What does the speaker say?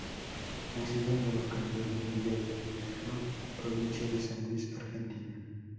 Nacido en la localidad de Villa de Merlo, provincia de San Luis, Argentina.